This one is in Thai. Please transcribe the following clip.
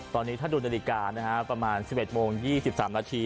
ตอนนี้ถ้าดูนาฬิกานะฮะประมาณสิบเอ็ดโมงยี่สิบสามนาที